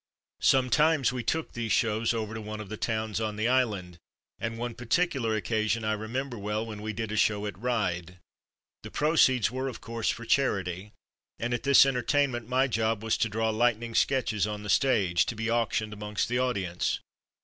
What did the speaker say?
Sometimes we took these shows over to one of the towns on the island, and one par ticular occasion I remember well, when we "did a show'' at Ryde. The proceeds were, of course, for charity, and at this entertain ment my job was to draw lightning sketches on the stage, to be auctioned amongst the audience.